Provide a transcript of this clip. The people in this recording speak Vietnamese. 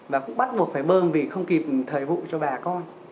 và cũng bắt buộc phải bơm vì không kịp thời vụ cho bà con